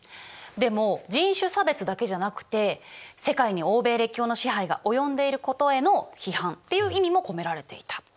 でも人種差別だけじゃなくて世界に欧米列強の支配が及んでいることへの批判っていう意味も込められていた。